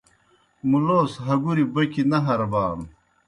مُلوس ہگُریْ بوکیْ نہ ہربانوْ۔